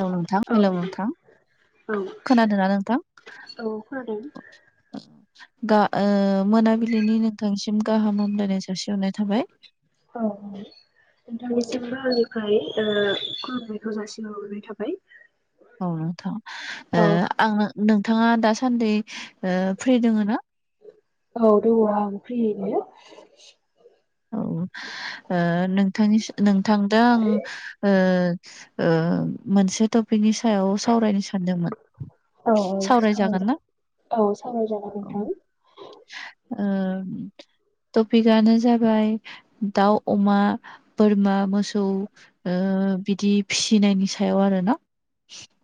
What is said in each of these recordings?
हौ नोंथां औ हेलौ नोंथां खोनादों ना नोंथां औ खोनादों गा मोनाबिलिनि नोंथांसिम गाहाम हामलायनायसै औ नोंथांनिसिम सिमबो आंनिफ्राय खुलुमनायखौ जासिहरनाय थाबाय औ नोंथां थ' औ आं नों नोंथाङा दासान्दि फ्रि दोङ ना औ दङ आं फ्रियैनो औ नोंथांनि नोंथां दा आं मोनसे टपिकनि सायाव सावरायनो सानदोंमोन औ सावरायजागोन सावराय ना औ साबराय जागोन नोंथां आ टपिक आनो जाबाय फ्राय दाउ अमा बोरमा मोसौ बिदि फिसिनो नायनि सायाव आरो ना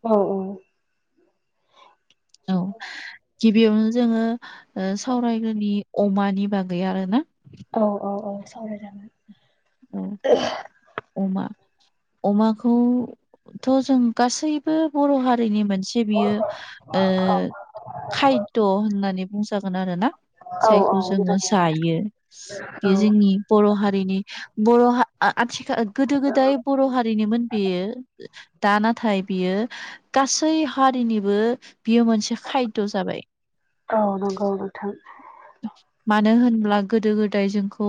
औ औ बेयावनो जोङो सावरायग्रोनि अमानि बागै आरो ना औ औ औ सावरायजागोन औ अमा अमाखौथ' जों गासैबो बर' हारिनि मोनसे मोनसे बियो खायद होननानै बुंजागोन आरो औ जायखौ औ जोङो मोजाङै जायो औ बेयो जोंनि बर' हारिनि बर' हारिनिमोन आथिखाल गोदो गोदाय बर' हारिनोमोन बेयो दा नाथाय बियो गासै हारिनिबो बेयो मोनसे खायद' जाबाय औ नंगौ नोंथां मानो होनब्ला गोदो गोदाय जोंखौ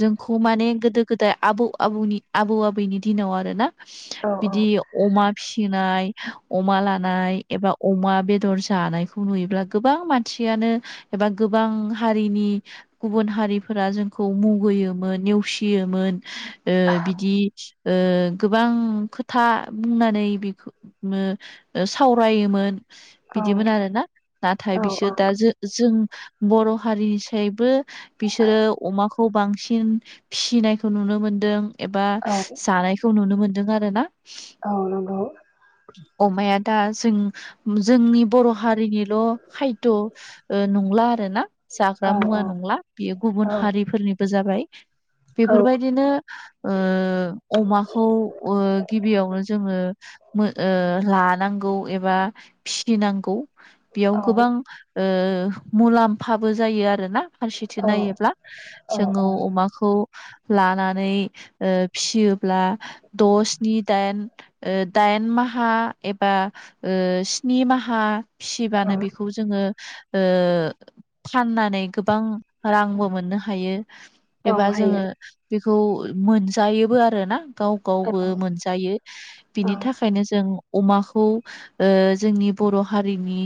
जोंखौ माने गोदो गोदाय आबौ आबनि आबौ आबैनि दिनाव आरोना औ बिदि अमा फिसि फि फिसिनाय अमा लानाय एबा अमा बेदर जानायखौ नुयोब्ला गोबां मानसिया एबा गोबां हारिनि गुबुन हारिफोरा जोंखौ मुगैयोमोन नेवसियोमोन बिदि गोबां खोथा बुंनानै बेखौनो सावरायोमोन औ बिदिमोन आरोना नाथाय औ बिसोर दा जों जों बर' हारिनिसायबो बिसोरो अमाखौ बांसिन फिसिनायखौ नुनो मोनदों एबा औ जानायखौ नुनो मोनदों आरो ना औ नंगौ अमाया दा जों जोंनि बर' हारिनिल' खायद' नंला आरोना औ जाग्रा मुवा नंला बेयो गुबुन औ हारिफोरनिबो जाबाय बेफोरबायदिनो अमाखौ गिबियावनो जोङो ला नांगौ एबा फिनांगौ बेयाव औ गोबां मुलामफा फाबो जायो आरोना फारसेथिं औ नायोब्ला जोङो अमाखौ लानानै फियोब्ला द सिनि दाइन दाइन माहा एबा स्नि माहा औ फिसिबानो बेखौ जोङो फाननानै गोबां रांबो मोननो हायो एबा हायो जोङो खौ मोनजायोबो आरो ना गाव औ गावबो मोनजायो बिनि औ थाखायनो जों अमाखौ जोंनि बर' हारिनि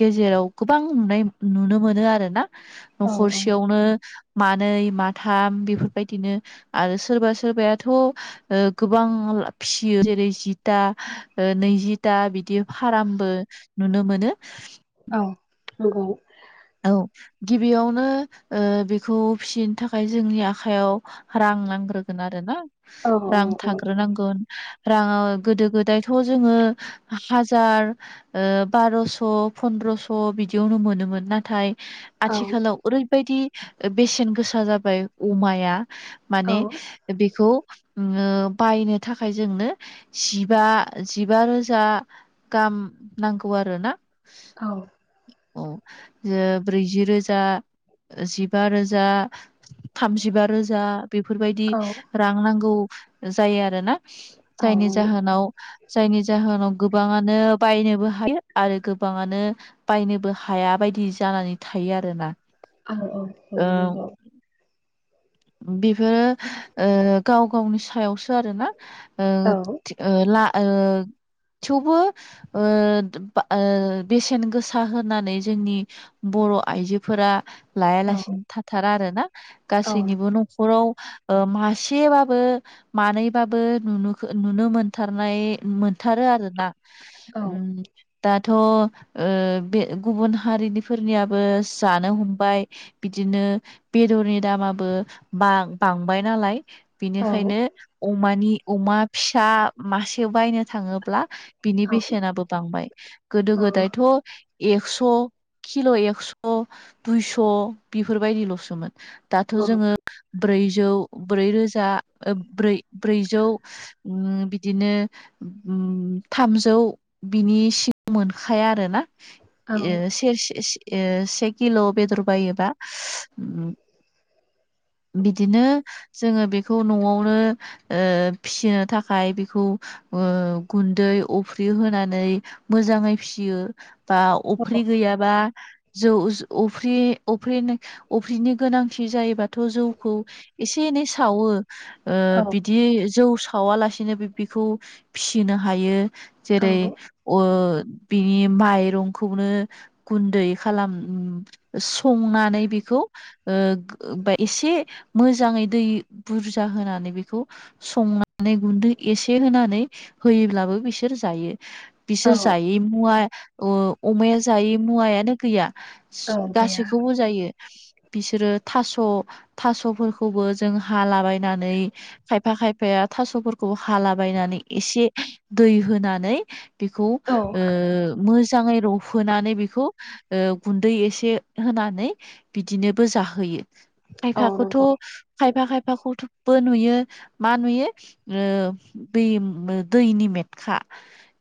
गेजेराव गोबां नुनाय नुनो मोनो आरोना औ न'खरसेयावनो मानै माथाम बेफोरबायदिनो आरो सोरबा सोरबाथ' गोबां फियो जेरै जिथा नैजिथा बिदि बिदि फारामबो नुनो मोनो औ नंगौ औ गिबियावनो बेखौ फिसिनो थाखाय जोंनि आखायाव रां नांग्रो आरोना औ रां थ्रोनांगोन राङा गोदो गोदायथ' जोङो हाजार बार'स' फन्द्रस' बिदियावनो मोनोमोन ना नाथाय औ आथिखालाव ओरैबायदि बेसेन गोसा जाबाय अमाया औ माने बेखौ बायनो थाखाय जोंनो जिबा जिबा रोजा गाम नांगौ आरोना औ अ ब्रैजि रोजा जिबा रोजा थामजिबा रोजा बेफोरबायदि औ रां नांगौ जायो आरोना औ जायनि जाहोनाव जायनि जाहोनाव गोबाङानो बायनोबो हायो आरो गोबाङानो बायनोबो हाया बायदि जि जानानै थायो आरोना औ औ औ ओ नंगौ बेफोरो गाव गावनि सायावसो आरो ना औ थेवबो बेसेन गोसा होनानै जोंनि बर' आइजोफोरा औ लायालासिनो थाथारा आरो ना औ गासैनिबो न'खराव ओ मासेबाबो मानैबाबो ननु नुनो मोनथारनाय मोन थारो आरोना औ उम दाथ' ओ बे गुबुन हारिनि फोरनियाबो जानो हमबाय बिदिनो बेदरनि दामाबो बां बाय नालाय औ बेनिखायनो अमानि अमा फिसा मासे बायनो थाङोब्ला बिनि औ बेसेनाबो बांबाय गोदो गोदायथ' एक्स' किल' एक्स' दुइस' बेफोरबायदिल'सोमोन दाथ' जोङो ब्रैजौ ब्रैरोजा दा ब्रै ब्रैजौ उम बिदिनो उम थामजौ बिनि सिङाव मोनखाया आरोना औ से से ओ से किल' बेदर हायोबा उम बिदिनो जोङो बेखौ न'आवनो ओ फिसिनो थाखाय बेखौ ओ गुन्दै अफ्रि होनानै मोजाङै फियो दा अफ्रि गैया बा जौ अफ्रि अफ्रिनि अफ्रिनि गोनांथि जायोबा थ' जौखौ एसे एनै सावो ओ बिदि जौ सावालासिनोबो बिखौ फिसिनो हायो औ जेरै ओ बिनि माइरंखौनो गुन्दै खालाम संनानै बेखौ ओ बा एसे मोजाङै दै बुरजा होनानै बेखौ संनानै गुन्दै एसे होनानै होयोब्लाबो बिसोर जायो औ बिसोर जायै मुवा ओ अमाया जायै मुवायानो गैया औ गैया गासैखौबो जायो बिसोरो थास' थास'फोरखौबो जों हालाबायनानै खाय फा खायफाया थास'फोरखौ हालाबायायनानै एसे दै होनानै बेखौ औ ओ मोजाङै रबहोनानै बे खौ ओ गुन्दै एसे होनानै बिदिनोबो जाहोयो औ खायफाखौथ' नंगौ खायफा खायफाखौथ' बोन नुयो मा नुयो ओ दै दैनि मेथखा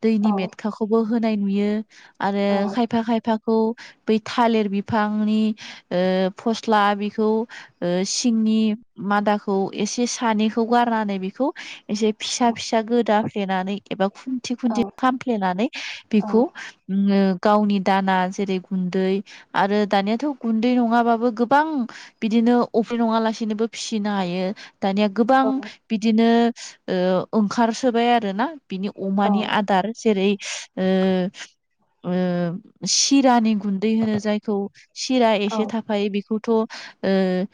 दैनि औ मेटखाखौबो होनाय नुयो आरो औ खायफा खाय फाखौ बै थालिर बिफांनि ओ फस्ला बिखौ ओ सिं नि मादाखौ एसे सानिखौ गारनानै बेखौ एसे फिसा फिसा गोदा फ्लेनानै एबा खुन्थि औ खुन्थि खामफ्लेनानै औ बेखौ गावनि दाना जेरै गुन्दै आरो दानियाथ' गुन्दै नङाबाबो गोबां बिदिनो अ फ्रि नङा लासिनोबो फिसिनो हायो दानिया गोबां औ बिदिनो ओ ओंखारसोबाय आरो ना बिनि अमानि आदार जेरै ओ ओ सिरानि गुन्दै होनो जायखौ सिरा औ एसे थाफायो बेखौ द' ओ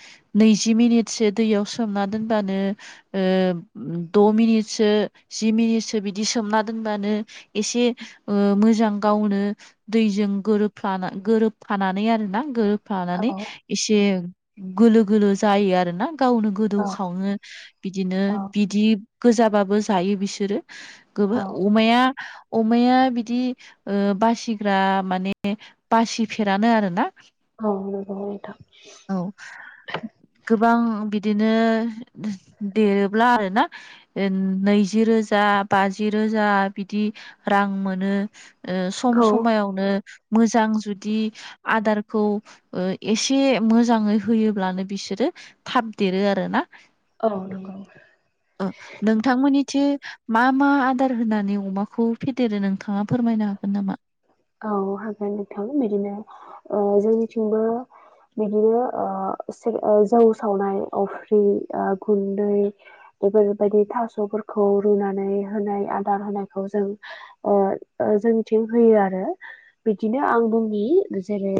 नैजि मिनिटसो दैयाव सोमना दोनबानो ओ द' मिनिटसो जि मिनिटसो बिदि सोमना दोनबानो एसे ओ मोजां गावनो दैजों गोरोबफ्लाना गोरोबफानानै आरोना गोरोबफ्लानानै एसे गलो गोलोलो जायो आरो ना गावनो गोदौ औ खङो बिदिनो बिदि गोजाबाबो जायो बिसोरो गोबां अमाया अमाया बिदि ओ बासिग्रा माने बासिफेरानो आरोना औ नंगौ नोंथां औ गोबां बि बिदिनो देरोब्ला आरो ना नैज रोजा बाज रोज गोजा बिदि रां मोनो सम औ समायावनो मोजां जुदि आदारखौ एसे मोजाङै होयोब्लानो बिसोरो थाबदेरो आरो ना औ नंगौ औ नोंथांमोननिथि मा मा आदार होनानै अमाखौ फेदेरो नोंथाङा फोरमायनो हागोन नामा औ हागोनथां बिदिनो जोंनिथिंबो बिदिनो जौ सावनाय अफ्रि गुन्दै बेफोरबायदि थासफोरखौ रुनानै होनाय आदार होनायखौ जों जों मिथिं होयो आरो बिदिनो आं बुंनि जेरै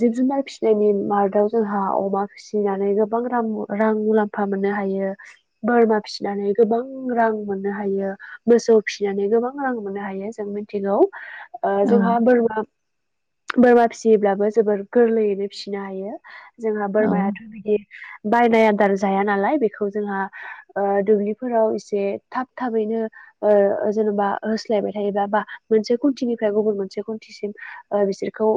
जिब जुनार फिसिनायनि मादाव जोंहा अमा फिसिनानै गोबां रां रां मुलाम्फा मोननो हायो बोरमा फिसिनानै गोबां रां मोननो हायो मोसौ फिसिनानै गोबां रां मोननो हायो जों मिथिगौ आ औ जोंहा बोरमा बोरमा फिसियोब्लाबो जोबोर गोरलैयैनो फिसिनो हायो जोंहा औ बोरमायाथ‌ बिदि बायनाय आदार जाया नालाय बेखौ जोंहा दुब्लिफोराव एसे थाब थाबैनो जेनबा होस्लायबाय थायोबा बा मोनसे कन्टनिफ्राय गुबुन मोनसे कन्टसिम बिसोरखौ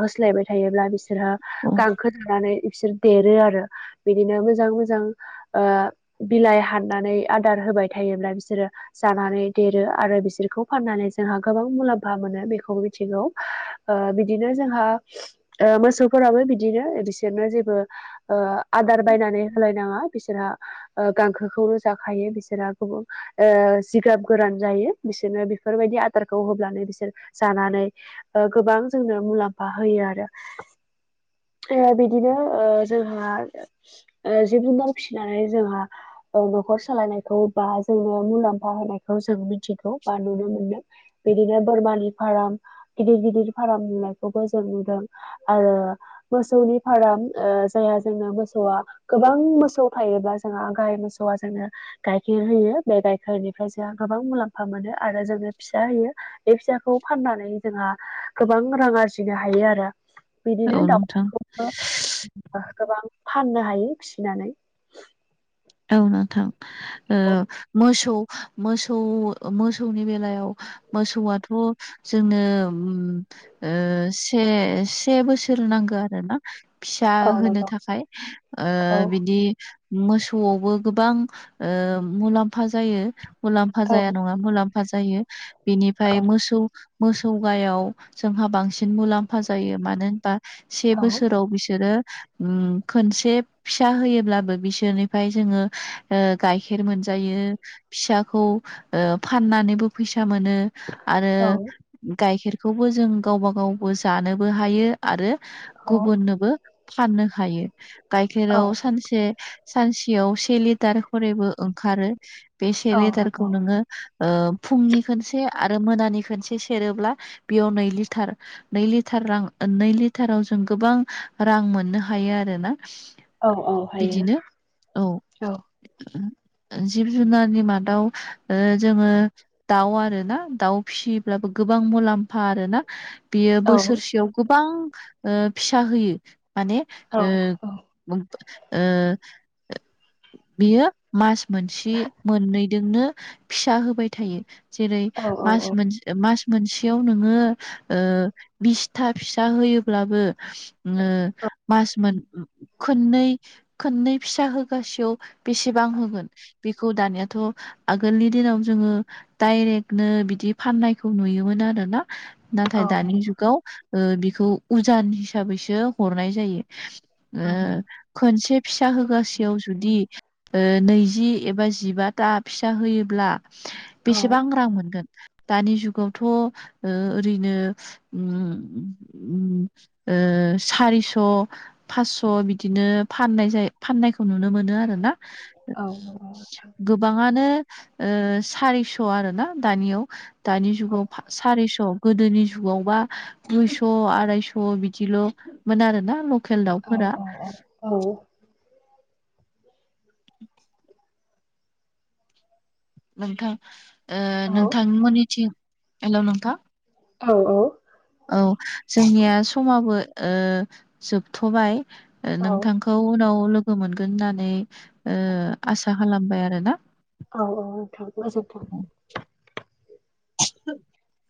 होस्लायबाय थायोब्ला बिसोरहा औ गांखोजानानै बिसोर देरो आरो बिदिनो मोजां मोजां बिलाइ हाननानै आदार हो फाय थायोब्ला बिसोरो जानानै देरो आरो बिसोरखौ फाननानै जोंहा गोबां मुलाम्फा मोनो बेखौ मिथिगौ बिदिनो जोंहा मोसौफोराबो बिदिनो बिसोरनो जेबो आदार बायनानै होलायनाङा बिसोरहा गांखो जाखायो बिसोरहा गुबबां जिगाब गोरान जायो बिसोरनो बेफोरबायदि आदारखौ होब्लानो बिसोर जानानै गोबां जोंनो मुलाम्फा होयो आरो बिदिनो जोंहा जिब जुनार फिसिनानै जोंहा न'खर सालायनायखौ बा जोंनो मुलाम्फा होनायखौ जों मिथिगौ बा नुनो मोनो बिदिनो बोरमानि फार्म गिदिर गिदिर फार्म नुनायखौबो जों नुदों आरो मोसौनि फारम जाया जोङो मोसौआ गोबां मोसौ थायोब्ला जोंहा ग मोसौवा‌ जोंनो गाइखेर होयो बे गायखेरनिफ्राय जोंहा गोबां मुलाम्फा मोनो आरो जोो फिसा होयो बे फिसाखौ फाननानै जोंहा गोबां रां आरजिनो हायो आरो बिदिनो औ नोंथां दाउखौबो गोबां फाननो हायो फिसिनानै औ नोंथां मोसौ मोसौ मोसौनि बेलायाव मोसौवाथ जोंनो से से बोसोर नांगौ आरो ना फिसा औ होनो नंगौ थाखाय औ बिदि मोसौ नवावबो गोबां मुलाम्फा जायो मुलाम्फा औ जाया नङा मुलाम फा जायो औ बिनिफ्राय मोसौ मोसौ गायाव जोंहा बांसिन मुलाम्फा जायो मानो होनबा से औ बोसोराव बिसोरो उम खनसे फिसा होयोब्लाबो बिसोरनि फ्राय जोङो गाइखेर मोनजायो फिसाखौ फाननानैबो फैसा फैसा मोनो आरो औ गाइखेरखौबो जों गावबा गावबो जानोबो हायो आरो औ गुबुननोबो फाननो हायो औ गाइखेराव सानसे सानसेयाव से लिटार खरैबो ओंखारो बेसे औ लेटारखौ नंगौ नोङो फुंनि खनसे आरो मोनानि खनसे सेरोब्ला बेयाव नै लिटार नै लिटार रां नै लिटाराव जों गोबां रां मोननो हायो आरोना औ औ हायो बिदिनो औ जिब जुनारनि मादाव ओ जोङो दाउ आरोना दाउ फिसियोब्लाबो गो बां मुलाम्फा आरोना बियो औ बोसोरसेयाव गोबां फिसा होयो माने औ ओ [unintelligible] ओ बियो मास मोनसे मोननैदोंनो फिसा होबाय थायो जेरै औ औ मास मोन मास मोनसेयाव नोङो ओ बिसथा फिसा होयोब्लाबो ओ मास मोन खोननै खोननै फिसा हो गासेयाव बेसेबां होगोन बेखौ दानियाथ' आगोलनि दिनाव जोङो डाइरेक्टनो बिदि फाननायखौ नुयोमोन आरोना औ नाथाय दानि औ जुगाव ओ बिखौ उजान हिसाबैसो हरनाय जायो औ ओ खोनसे फिसा होगासेयाव जुदि ओ नैजि एबा जिबाथा फिसा होयोब्ला बेसेबां रां मोनगोन दानि जुगावथ' ओ ओरैनो उम उम ओ ओ सारिस' फासस' बिदिनो फननाय जायो फाननायखो खौ नुनो मोनो आरोना नंगौ नोंथां गोबाङानो ओ सारिस' आरोना दानियाव दानि औ जुगाव फा सारिस' गोदोनि जुगावबा दुइस' आरायस' बिदिल'मोन आरोना म औ औ औ औ [inaudible] नोंथां ओ औ नोंथांनिमोननिथिं हेलौ नोंथां औ औ औ जोंनिया समाबो ओ जोबथ'बाय ओ औ नोंथांखौ उनाव लो गो मोनगोन होननानै ओ आसा खालामबाय आरोना औ औ नोंथां गोजोनथों [unintelligible]